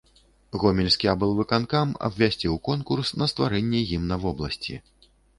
Гомельскі аблвыканкам абвясціў конкурс на стварэнне гімна вобласці.